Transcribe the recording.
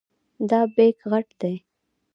دا بیک غټ دی.